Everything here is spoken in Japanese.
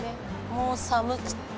もう寒くて。